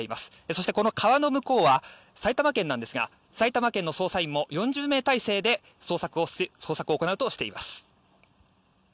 そして、この川の向こうは埼玉県なんですが埼玉県の捜査員も４０名態勢で捜索を行うとしています。